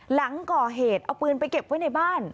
หลังก่อเหตุเอาปืนไปเก็บไว้ในบ้าน